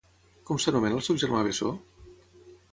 Com s'anomena el seu germà bessó?